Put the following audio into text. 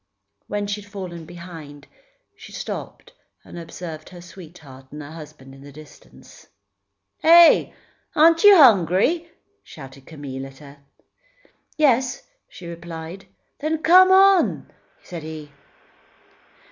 When she had fallen behind, she stopped and observed her sweetheart and husband in the distance. "Heh! Aren't you hungry?" shouted Camille at her. "Yes," she replied. "Then, come on!" said he.